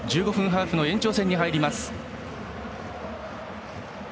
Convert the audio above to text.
ハーフの延長戦に入ります。